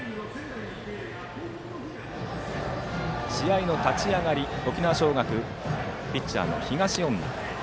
試合の立ち上がり、沖縄尚学ピッチャーの東恩納。